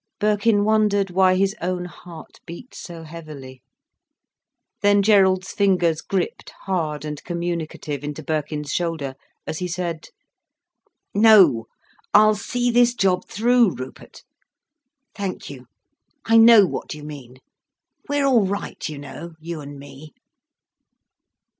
Birkin wondered why his own heart beat so heavily. Then Gerald's fingers gripped hard and communicative into Birkin's shoulder, as he said: "No, I'll see this job through, Rupert. Thank you—I know what you mean. We're all right, you know, you and me."